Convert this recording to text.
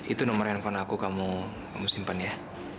itu nomor handphone aku kamu simpan ya